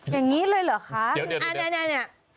อย่างนี้เลยเหรอคะเนี่ย